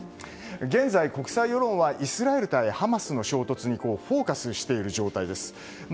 現在、国際世論はイスラエル対ハマスの衝突にフォーカスしている状態です。